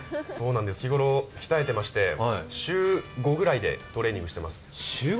日頃鍛えてまして週５ぐらいでトレーニングしています。